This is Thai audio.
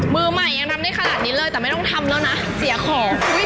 มือใหม่ยังทำได้ขนาดนี้เลยแต่ไม่ต้องทำแล้วนะเสียของ